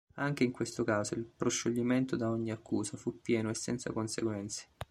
Anche in questo caso il proscioglimento da ogni accusa fu pieno e senza conseguenze.